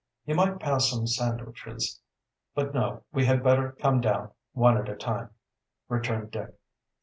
"You might pass some sandwiches. But, no, we had better come down, one at a time," returned Dick.